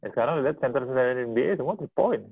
sekarang lo lihat center center nba semua tiga point